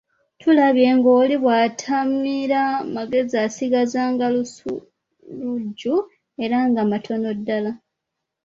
Tulabye ng'oli bwatamiira amagezi asigaza ga lusuluuju era nga matono ddala.